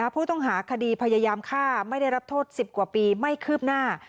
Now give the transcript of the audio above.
ผู้ต้องหาคดีพยายามฆ่าไม่ได้รับโทษ๑๐กว่าปีไม่คืบหน้า